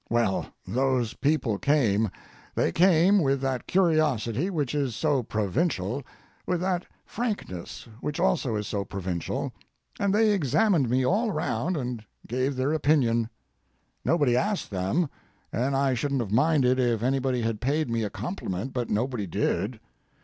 Well, those people came, they came with that curiosity which is so provincial, with that frankness which also is so provincial, and they examined me all around and gave their opinion. Nobody asked them, and I shouldn't have minded if anybody had paid me a compliment, but nobody did.